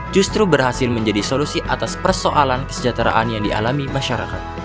justru berhasil menjadi solusi atas persoalan kesejahteraan yang dialami masyarakat